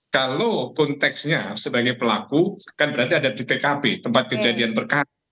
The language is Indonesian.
kalau konteksnya sebagai pelaku kan berarti ada di tkp tempat kejadian perkara